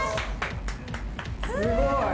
すごい。